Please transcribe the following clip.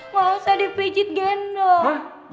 gak usah dipijit gendong